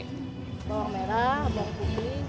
bawang merah bawang putih